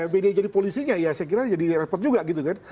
media jadi polisinya ya saya kira jadi repot juga gitu kan